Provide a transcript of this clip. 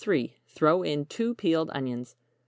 Throw in 2 peeled onions.